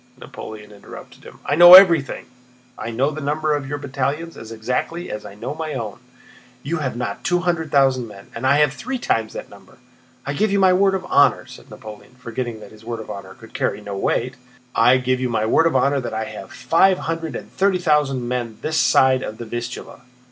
Napoleon interrupted him. "I know everything. I know the number of your battalions as exactly as I know my own. You have not two hundred thousand men, and I have three times that number. I give you my word of honor," said Napoleon, forgetting that his word of honor could carry no weight—"I give you my word of honor that I have five hundred and thirty thousand men this side of the Vistula.